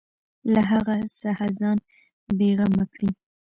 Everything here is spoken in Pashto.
له هغه څخه ځان بېغمه کړي.